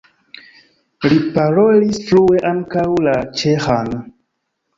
Li parolis flue ankaŭ la ĉeĥan.